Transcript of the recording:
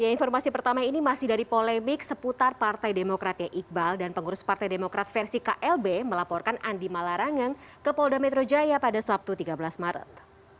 informasi pertama ini masih dari polemik seputar partai demokrat ya iqbal dan pengurus partai demokrat versi klb melaporkan andi malarangeng ke polda metro jaya pada sabtu tiga belas maret